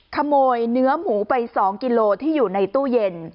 ขโมยเนื้อหมูไป๒กิโลที่อยู่ในตู้เย็น